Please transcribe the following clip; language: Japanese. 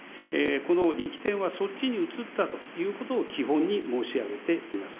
この力点は、そっちに移ったということを基本に申し上げています。